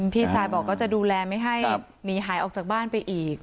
พี่ชายบอกก็จะดูแลไม่ให้หนีหายออกจากบ้านไปอีก